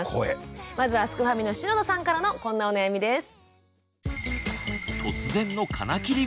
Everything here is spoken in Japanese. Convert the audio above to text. まずはすくファミの篠田さんからのこんなお悩みです。